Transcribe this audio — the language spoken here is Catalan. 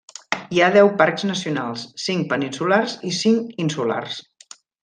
Hi ha deu parcs nacionals: cinc peninsulars i cinc insulars.